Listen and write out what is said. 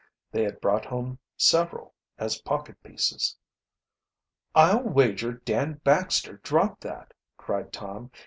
They had brought home several as pocket pieces. "I'll wager Dan Baxter dropped that!" cried Tom.